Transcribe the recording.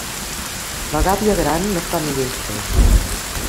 La gàbia gran no fa millor ocell.